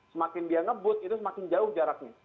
semakin dia ngebut itu semakin jauh jaraknya